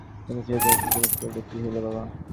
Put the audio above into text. কিন্তু যেই যোগেন্দ্র জিজ্ঞাসা করিল, কী হইল বাবা?